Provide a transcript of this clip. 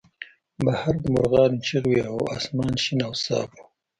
بهر د مرغانو چغې وې او اسمان شین او صاف و